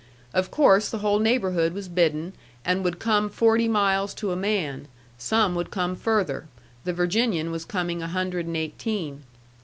Of course the whole neighborhood was bidden, and would come forty miles to a man; some would come further the Virginian was coming a hundred and eighteen.